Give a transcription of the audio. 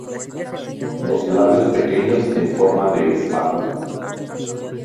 Los labios pequeños en forma de espátula.